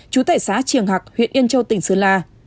chú tải xã triềng hạc huyện yên châu tỉnh sơn la